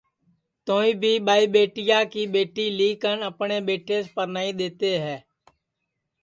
توہی بھی ٻائی ٻیٹیا کی ٻیٹی لی کن اپٹؔے ٻیٹیس پرنائی دؔیتے ہے